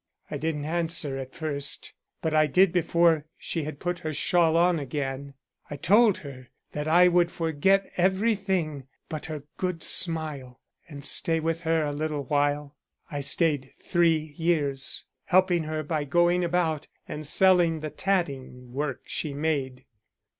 I didn't answer at first, but I did before she had put her shawl on again. I told her that I would forget everything but her good smile, and stay with her a little while. I stayed three years, helping her by going about and selling the tatting work she made.